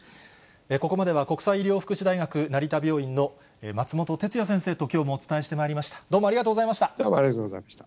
ここまでは、国際医療福祉大学成田病院の松本哲哉先生ときょうもお伝えしてまいりました。